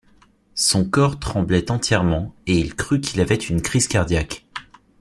Son corps tremblait entièrement, et il crut qu'il avait une crise cardiaque.